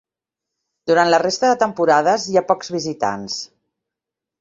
Durant la resta de temporades hi ha pocs visitants.